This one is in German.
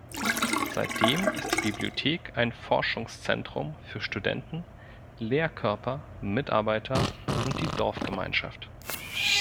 Seitdem ist die Bibliothek ein Forschungszentrum für Studenten, Lehrkörper, Mitarbeiter und die Dorfgemeinschaft.